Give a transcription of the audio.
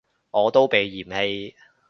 我都被嫌棄